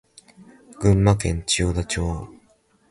群馬県千代田町